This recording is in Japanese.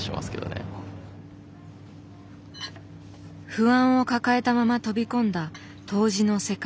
不安を抱えたまま飛び込んだ杜氏の世界。